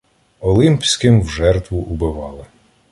Олимпським в жертву убивали